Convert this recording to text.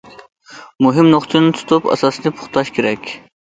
مۇھىم نۇقتىنى تۇتۇپ، ئاساسنى پۇختىلاش كېرەك.